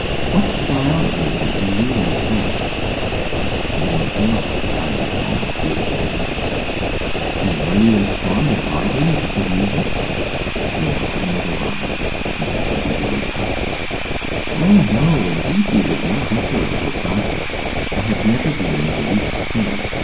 What style of music do you like best?' 'I don't know. I like all beautiful music.' 'And are you as fond of riding as of music?' 'No; I never ride. I think I should be very frightened.' 'O no! indeed you would not, after a little practice. I have never been in the least timid.